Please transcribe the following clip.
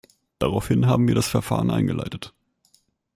Daraufhin haben wir das Verfahren eingeleitet.